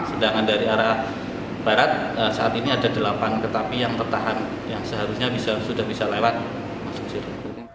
sedangkan dari arah barat saat ini ada delapan kereta api yang tertahan yang seharusnya sudah bisa lewat masuk sini